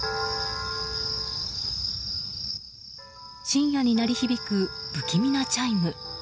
深夜に鳴り響く不気味なチャイム。